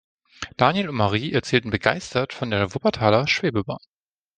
Daniel und Marie erzählten begeistert von der Wuppertaler Schwebebahn.